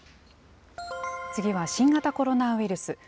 次は新型コロナウイルス。